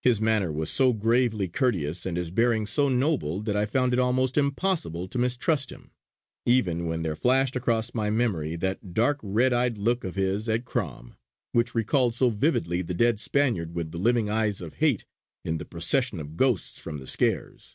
His manner was so gravely courteous and his bearing so noble, that I found it almost impossible to mistrust him, even when there flashed across my memory that dark red eyed look of his at Crom, which recalled so vividly the dead Spaniard with the living eyes of hate in the procession of ghosts from the Skares.